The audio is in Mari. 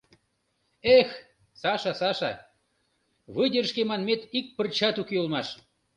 Эх, Саша, Саша, выдержке манмет ик пырчат уке улмаш!